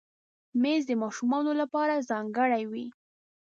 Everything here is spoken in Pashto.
مېز د ماشومانو لپاره ځانګړی وي.